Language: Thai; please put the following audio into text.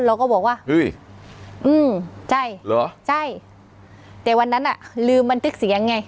เราก็บอกว่าเฮ้ยอืมใช่เหรอใช่แต่วันนั้นอ่ะลืมบันทึกเสียงไง